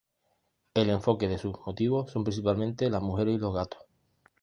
El enfoque de sus motivos son principalmente las mujeres y los gatos.